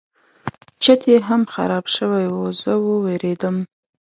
چت یې هم خراب شوی و زه وویرېدم.